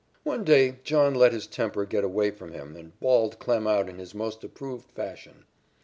One day John let his temper get away from him and bawled Klem out in his most approved fashion.